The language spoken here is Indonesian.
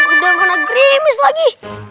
udah kena grimis lagi